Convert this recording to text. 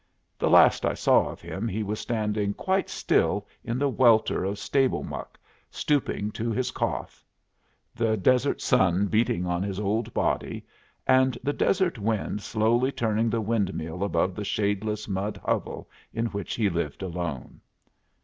The last I saw of him he was standing quite still in the welter of stable muck, stooping to his cough, the desert sun beating on his old body, and the desert wind slowly turning the windmill above the shadeless mud hovel in which he lived alone.